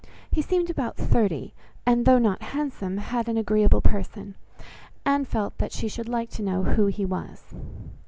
He seemed about thirty, and though not handsome, had an agreeable person. Anne felt that she should like to know who he was.